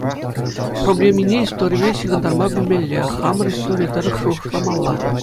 Проблемине историпе ҫыхӑнтарма пӗлмелле, хамӑр истори тӑрӑх шухӑшламалла.